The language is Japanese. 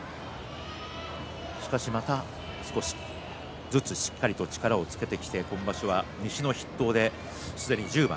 しかしまた少しずつしっかりと力をつけてきて今場所は西の筆頭ですでに１０番。